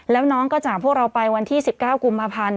แล้วน้องก็จากพวกเราไปวันที่๑๙กุมภาพันธ์